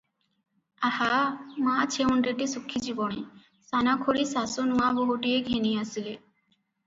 ଆହା! ମା ଛେଉଣ୍ତିଟି ଶୁଖିଯିବଣି!' ସାନ ଖୁଡ଼ୀ ଶାଶୁ ନୂଆ ବୋହୁଟିଏ ଘେନି ଆସିଲେ ।